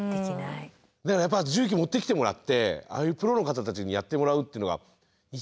だからやっぱ重機持ってきてもらってああいうプロの方たちにやってもらうっていうのが一番安心しますよね。